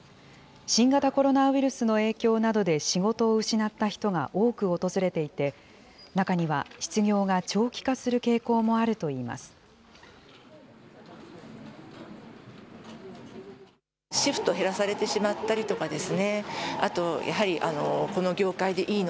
新型コロナウイルスの影響などで仕事を失った人が多く訪れていて、中には失業が長期化する傾向もあるといいます。